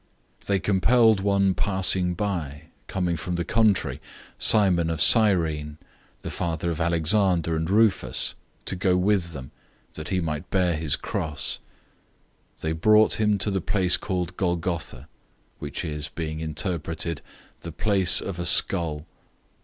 015:021 They compelled one passing by, coming from the country, Simon of Cyrene, the father of Alexander and Rufus, to go with them, that he might bear his cross. 015:022 They brought him to the place called Golgotha, which is, being interpreted, "The place of a skull."